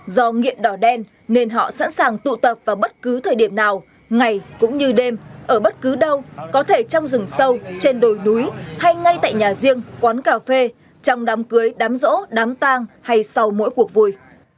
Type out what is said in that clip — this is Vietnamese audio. do nghiện đỏ đen nên họ sẵn sàng tụ tập vào bất cứ thời điểm nào ngày cũng như đêm ở bất cứ đâu có thể trong rừng sâu trên đồi núi hay ngay tại nhà riêng quán cà phê trong đám cưới đám rỗ đám tang hay sau mỗi cuộc vui